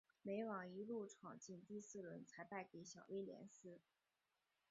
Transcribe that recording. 美网一路闯进第四轮才败给小威廉丝。